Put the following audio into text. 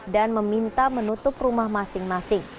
dan meminta menutup rumah masing masing